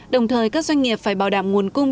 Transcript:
đồng thời các doanh nghiệp phải bảo đảm nguồn cung